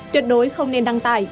tuyệt đối không nên đăng tài